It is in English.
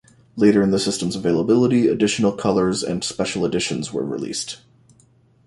Later in the system's availability, additional colours and special editions were released.